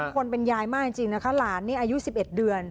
คนเป็นยายมากจริงจริงนะคะหลานเนี่ยอายุสิบเอ็ดเดือน